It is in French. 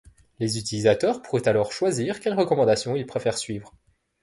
Les utilisateurs pourraient alors choisir quelles recommandations ils préfèrent suivre.